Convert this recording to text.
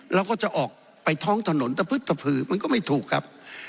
เราก็จะออกไปท้องถนนตะพึดตะพือมันก็ไม่ถูกครับ